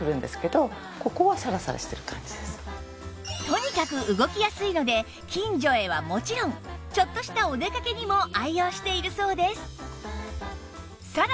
とにかく動きやすいので近所へはもちろんちょっとしたお出かけにも愛用しているそうです